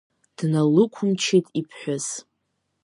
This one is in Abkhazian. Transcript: Дналықәымчит иԥҳәыс.